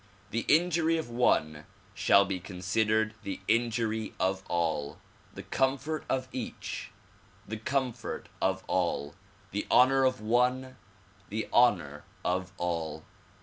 The injury of one shall be considered the injury of all ; the comfort of each the comfort of all ; the honor of one the honor of all.